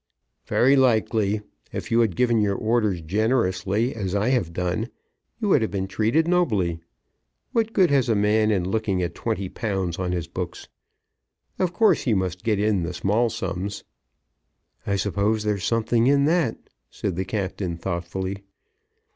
"Very likely. If you had given your orders generously, as I have done, you would have been treated nobly. What good has a man in looking at twenty pounds on his books? Of course he must get in the small sums." "I suppose there's something in that," said the captain thoughtfully.